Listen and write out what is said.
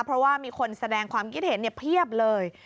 เพราะว่ามีคนแสดงความคิดเห็นเพียบเลย